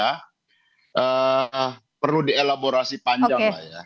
ya perlu dielaborasi panjang lah ya